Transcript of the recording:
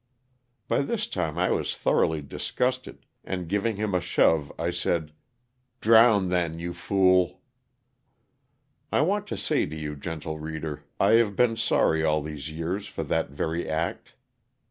By this time I was thoroughly disgusted, and giving him a shove, I said, "drown then you fool." I want to say to you, gentle reader, I have been sorry LOSS OF THE SULTANA. 51 all these years for that very act.